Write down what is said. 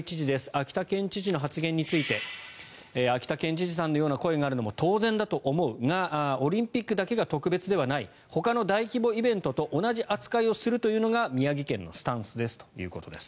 秋田県知事の発言について秋田県知事さんのような声があるのも当然だと思うがオリンピックだけが特別ではないほかの大規模イベントと同じ扱いをするというのが宮城県のスタンスですということです。